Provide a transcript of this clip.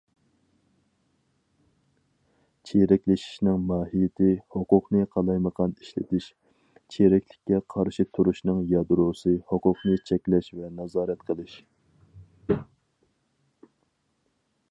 چىرىكلىشىشنىڭ ماھىيىتى ھوقۇقنى قالايمىقان ئىشلىتىش، چىرىكلىككە قارشى تۇرۇشنىڭ يادروسى ھوقۇقنى چەكلەش ۋە نازارەت قىلىش.